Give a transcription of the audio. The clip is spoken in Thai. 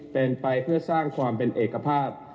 เป็นไปเพื่อสร้างความเป็นเอกภาพ